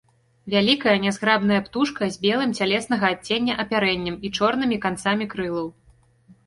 Вялікая, нязграбная птушка, з белым цялеснага адцення апярэннем і чорнымі канцамі крылаў.